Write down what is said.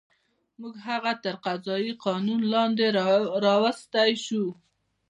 موږ هغه تر قضایي قانون لاندې راوستی شو.